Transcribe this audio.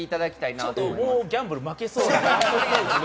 ちょっともうギャンブル負けそう。